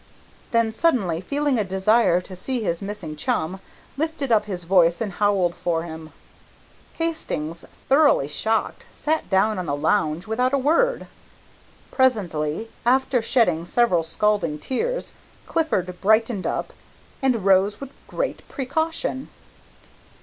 Then suddenly feeling a desire to see his missing chum, lifted up his voice and howled for him. Hastings, thoroughly shocked, sat down on the lounge without a word. Presently, after shedding several scalding tears, Clifford brightened up and rose with great precaution.